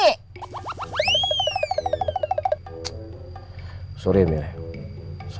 kayaknya closed ass